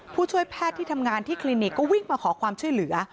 ผู้ช่วยแพทย์ที่ทำงานที่คลินิกก็วิ่งมาขอความช่วยเหลือ